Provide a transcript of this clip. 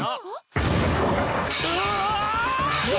うわ！